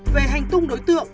về hành tung đối tượng